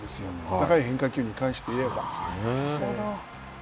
高い変化球に関して言えば。